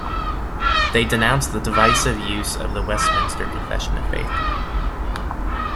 They denounced the divisive use of the Westminster Confession of Faith.